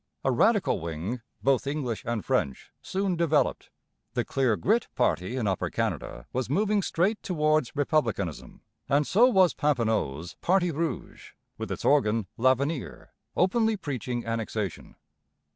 A Radical wing, both English and French, soon developed. The 'Clear Grit' party in Upper Canada was moving straight towards republicanism, and so was Papineau's Parti Rouge, with its organ L'Avenir openly preaching Annexation.